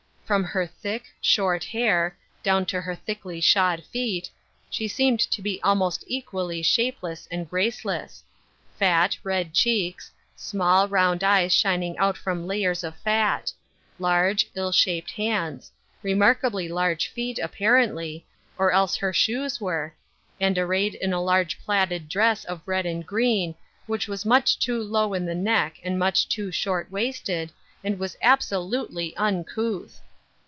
From her thick, short hair, down to her thickly shod feet, she seemed to be al most equally shapeless and graceless ; fat, red cheeks ; small, round eyes shining out from lay ers of fat; large, ill shaped hands; remarkably large feet, apparently, or else her shoes were, and arrayed in a large plaided dress of red and green, which was much too low in the njeck and much too short waisted, and was absolutely uncouth